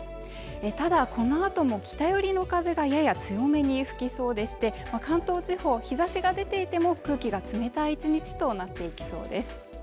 ただこのあとも北寄りの風がやや強めに吹きそうでして関東地方日差しが出ていても空気が冷たい１日となっていきそうです